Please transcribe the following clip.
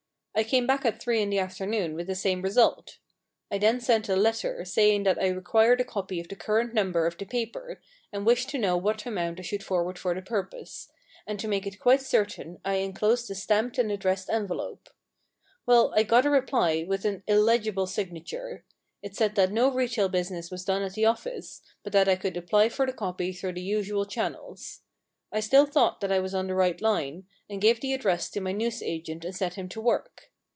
I came back at three in the afternoon with the same result. I then sent a letter, saying that I required a copy of the current number of the paper, and wished to know what amount I 223 The Problem Club should forward for the purpose ; and to make it quite certain I enclosed a stamped and addressed envelope. Well, I got a reply, with an illegible signature. It said that no retail business was done at the office, but that I could apply for the copy through the usual channels. I still thought that I was on the right line, and gave the address to my newsagent and set him to work.